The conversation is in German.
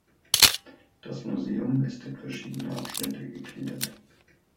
Das Museum ist in verschiedene Abschnitte gegliedert.